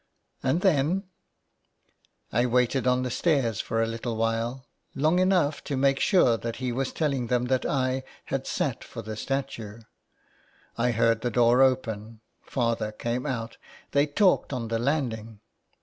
" And then ?"" I waited on the stairs for a little while, long enough to make sure that he was telling them that I had sat for the statue. I heard the door open, father came out, they talked on the landing.